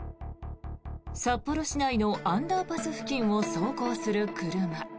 札幌市内のアンダーパス付近を走行する車。